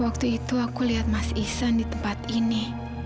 ketika itu aku melihat mas iksan di tempat ini